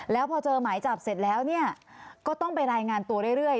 แล้วพอเจอหมายจับเสร็จแล้วก็ต้องไปรายงานตัวเรื่อย